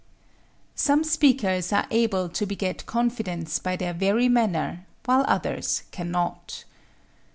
Some speakers are able to beget confidence by their very manner, while others can not.